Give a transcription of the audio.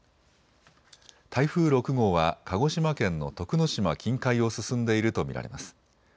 台風６号は鹿児島県の徳之島近海を進んでいると見られます。